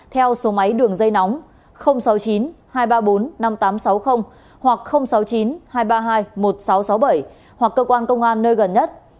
theo số máy đường dây nóng sáu mươi chín hai trăm ba mươi bốn năm nghìn tám trăm sáu mươi hoặc sáu mươi chín hai trăm ba mươi hai một nghìn sáu trăm sáu mươi bảy hoặc cơ quan công an nơi gần nhất